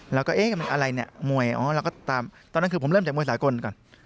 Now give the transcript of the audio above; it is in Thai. แล้วก็เอ๊ะอะไรนี่มวยตอนนั้นคือผมเริ่มแต่มวยสากลก่อน